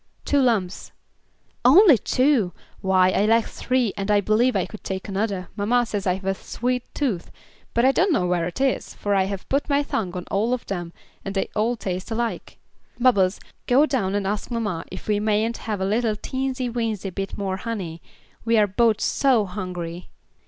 "Two lumps." "Only two! Why I like three, and I believe I could take another; mamma says I have a sweet tooth, but I don't know where it is, for I have put my tongue on all of them and they all taste alike. Bubbles, go down and ask mamma if we mayn't have a little teensy weensy bit more honey, we are both so hungry."